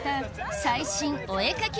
最新お絵描き